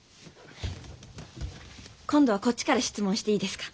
今度はこっちから質問していいですか？